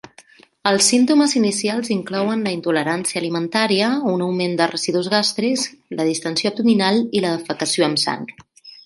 Els símptomes inicials inclouen la intolerància alimentària, un augment de residus gàstrics, la distensió abdominal i la defecació amb sang.